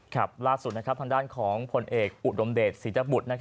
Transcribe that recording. ครับล่าสุดทางด้านของผลเอกอุดมเดชศรีตบุตร